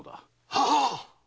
ははっ！